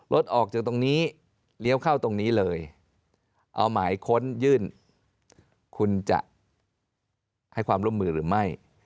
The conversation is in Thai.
รถออกจากตรงนี้เลี้ยวเข้าตรงนี้เลยเอาหมายค้นยื่นคุณจะให้ความร่วมมือหรือไม่